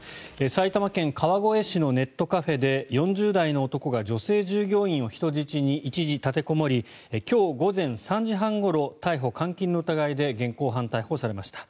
埼玉県川越市のネットカフェで４０代の男が女性従業員を人質に一時、立てこもり今日午前３時半ごろ逮捕・監禁の疑いで現行犯逮捕されました。